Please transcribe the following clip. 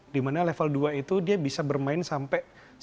di mana level dua itu dia bisa bermain sampai sekitar